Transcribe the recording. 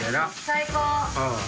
最高！